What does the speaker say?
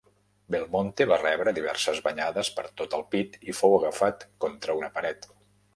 Belmonte va rebre diverses banyades per tot el pit i fou agafat contra una paret.